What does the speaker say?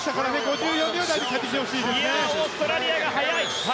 オーストラリアが速い！